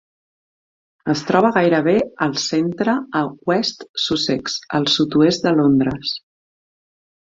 Es troba gairebé al centre a West Sussex, al sud-oest de Londres.